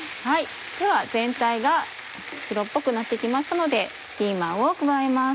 では全体が白っぽくなって来ましたのでピーマンを加えます。